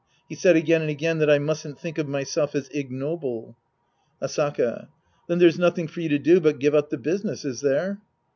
He said again and again that I mustn't think of myself as ignoble. Asaka. Then there's nothing for you to do but give up the business, is there